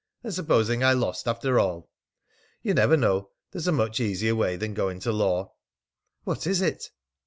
And supposing I lost, after all? ... You never know. There's a much easier way than going to law." "What is it?"